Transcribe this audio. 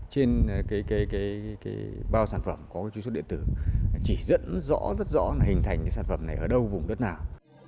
trên bao sản phẩm có truy xuất điện tử chỉ dẫn rất rõ hình thành sản phẩm này ở đâu vùng đất nào